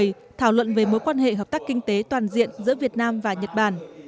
hội thảo đã trình bày thảo luận về mối quan hệ hợp tác kinh tế toàn diện giữa việt nam và nhật bản